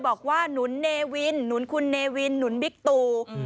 บอกว่านุนเนวินนุนคุณเนวินนุนบิ๊กตู